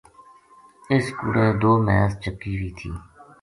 اس کوڑے دو مھیس چَکی وی تھی